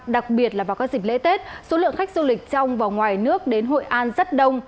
đặc biệt là vào các dịp lễ tết số lượng khách du lịch trong và ngoài nước đến hội an rất đông